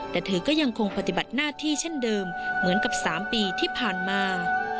แต่เธอก็ยังคงปฏิบัติหน้าที่เช่นเดิมเหมือนกับ๓ปีที่ผ่านมา